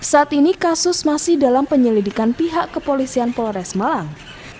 saat ini kasus masih dalam penyelidikan pihak kepolisian polres malang